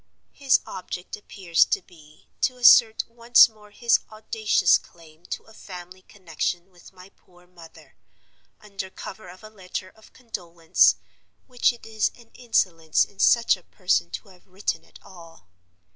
His object appears to be to assert once more his audacious claim to a family connection with my poor mother, under cover of a letter of condolence; which it is an insolence in such a person to have written at all.